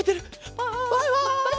バイバイ！